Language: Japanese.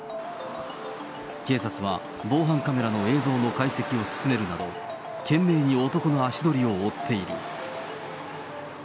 警察は、防犯カメラの映像の解析を進めるなど、懸命に男の足取りを追っている。